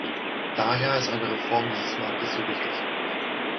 Daher ist eine Reform dieses Marktes so wichtig.